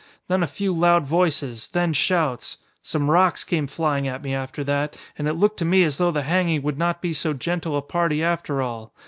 Then a few loud voices, then shouts. Some rocks came flying at me after that, and it looked to me as though the hanging would not be so gentle a party after all.